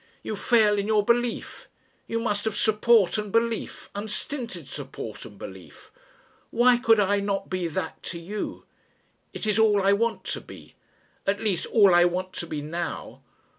You fail in your belief. You must have support and belief unstinted support and belief. Why could I not be that to you? It is all I want to be. At least all I want to be now.